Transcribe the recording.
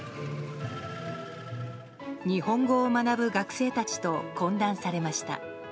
日本語を学ぶ学生たちと懇談されました。